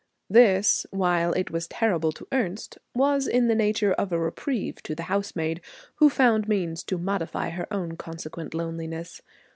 This, while it was terrible to Ernest, was in the nature of a reprieve to the housemaid, who found means to modify her own consequent loneliness.